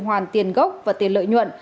hoàn tiền gốc và tiền lợi nhuận